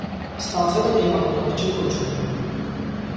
Ստացել է գեղանկարչի կոչում։